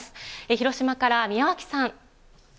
広島から宮脇さん。